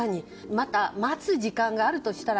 また、待つ時間があるとしたら